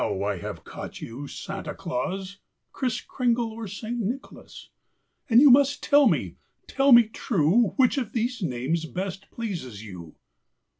I have caught you Santa Claus, Kriss Kringle or St. Nicholas, And you must tell me, tell me true. Which of these names best pleases you'?